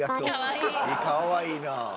かわいいな。